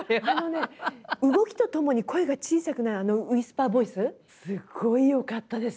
動きとともに声が小さくなるあのウイスパーボイスすごいよかったです。